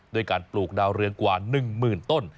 ด้วยการปลูกดาวเรืองกว่า๑หมื่นต้น